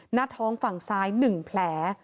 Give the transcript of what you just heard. หน้าท้องฝั่งซ้าย๑แผล